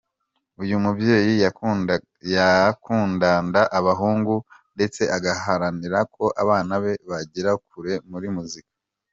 Uyu mubyeyi yakundanda abahungu ndetse agaharanira ko abana be bagera kure muri muzika.